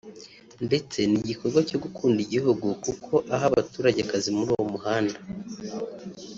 ndetse ni nigikorwa cyo gukunda igihugu kuko aha abaturage akazi muri uwo muhanda »